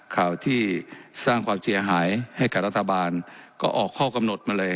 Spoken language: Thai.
ข่าวที่สร้างความเสียหายให้กับรัฐบาลก็ออกข้อกำหนดมาเลย